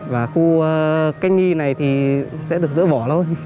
và khu canh nghi này thì sẽ được giỡn bỏ thôi